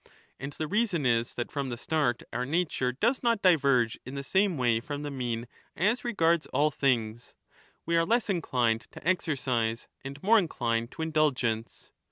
And the reason is that from the start our nature does not diverge in the same way from the mean as regards all things ; we are less inclined to exercise, and more inclined to indulgence.